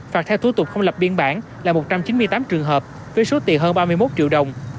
phạt theo thủ tục không lập biên bản là một trăm chín mươi tám trường hợp với số tiền hơn ba mươi một triệu đồng